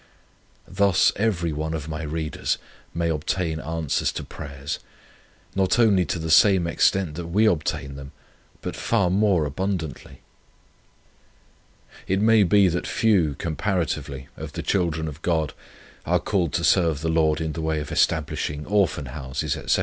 Thus everyone of my readers may obtain answers to prayers, not only to the same extent that we obtain them, but far more abundantly. "It may be that few, comparatively, of the children of God are called to serve the Lord in the way of establishing Orphan Houses, &c.